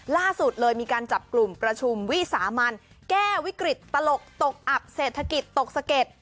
ล่าสุดเลยมีการจับกลุ่มประชุมวิสามันแก้วิกฤตตลกตกอับเศรษฐกิจตกสะเก็ด